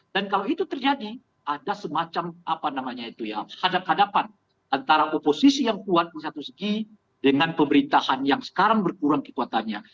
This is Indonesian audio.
dan kalau itu terjadi ada semacam apa namanya itu ya hadapan hadapan antara oposisi yang kuat di satu segi dengan pemerintahan yang sekarang berkurang kekuatannya